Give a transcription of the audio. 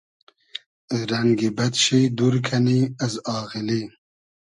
رئنگی بئد شی دور کئنی از آغیلی